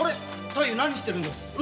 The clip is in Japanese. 太夫何してるんです？